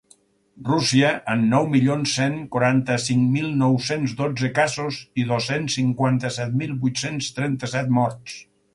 Rússia, amb nou milions cent quaranta-cinc mil nou-cents dotze casos i dos-cents cinquanta-set mil vuit-cents trenta-set morts.